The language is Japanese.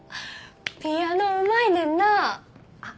ピアノうまいねんなあっ